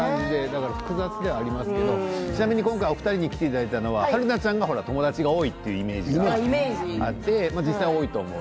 複雑ではありますけれども今回お二人に来ていただいたのは春菜ちゃんが友達が多いというイメージがあって実際、多いと思う。